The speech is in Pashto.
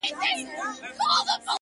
گرانه په دغه سي حشر كي جــادو’